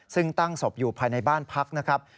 ซึ่งตั้งศพอยู่ภายในบ้านพักนะครับ